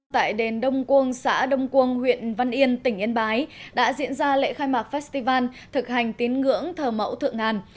tại đền đông cuông xã đông quâng huyện văn yên tỉnh yên bái đã diễn ra lễ khai mạc festival thực hành tín ngưỡng thờ mẫu thượng ngàn